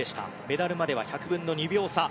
メダルまでは１００分の２秒差。